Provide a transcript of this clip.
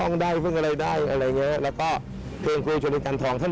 ยอบเยี่ยมเมื่อวาน